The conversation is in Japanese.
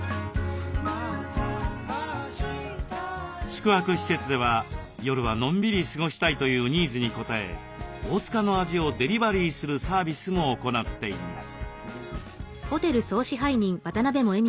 宿泊施設では夜はのんびり過ごしたいというニーズに応え大塚の味をデリバリーするサービスも行っています。